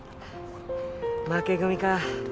負け組か